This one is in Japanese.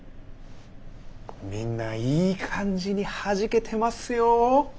みんないい感じにはじけてますよ。